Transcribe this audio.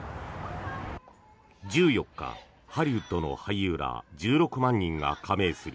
１４日、ハリウッドの俳優ら１６万人が加盟する